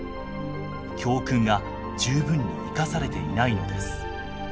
教訓が十分に生かされていないのです。